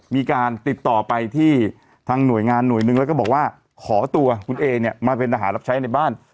มีการติดต่อไปที่ทางหน่วยงานหน่วยหนึ่งแล้วก็บอกว่าขอตัวคุณเอเนี่ยมาเป็นทหารรับใช้ในบ้าน